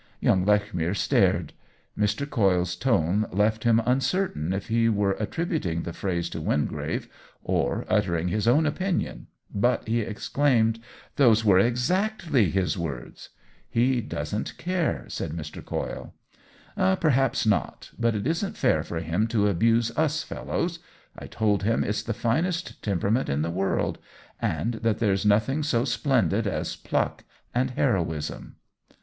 Young Lech mere stared. Mr. Coyle's tone left him uncertain if he were attributing the phrase to Wingrave or uttering his own opinion, but he exclaimed :" Those were exactly his words !"" He doesn't care," said Mr. Cojle. "Perhaps not. But it isn't fair for him to abuse us fellows. I told him it's the finest temperament in the world, and that there's nothing so splendid as pluck and heroism."